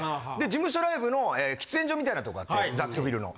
事務所ライブの喫煙所みたいなとこあって雑居ビルの。